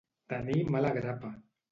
Tenir mala grapa.